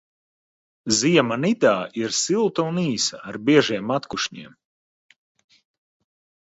Ziema Nidā ir silta un īsa ar biežiem atkušņiem.